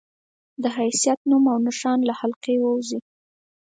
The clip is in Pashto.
د حيثيت، نوم او نښان له حلقې ووځي